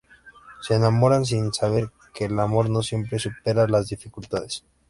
Se enamoran, sin saber que el amor no siempre supera las dificultades.